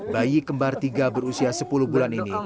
bayi kembar tiga berusia sepuluh bulan ini